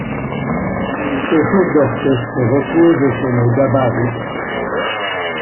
Ce chef d'orchestre repose sur nos gabarits!